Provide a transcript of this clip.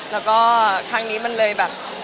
แล้วก็ครั้งนี้มันเลยแบบ